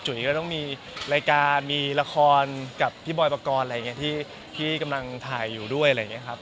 ก็ต้องมีรายการมีละครกับพี่บอยปกรณ์อะไรอย่างนี้ที่กำลังถ่ายอยู่ด้วยอะไรอย่างนี้ครับ